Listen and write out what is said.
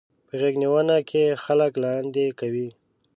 په غېږنيونه کې خلک لاندې کوي.